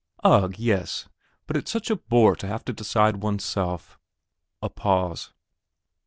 "Ugh, yes! but it's such a bore to have to decide oneself." A pause.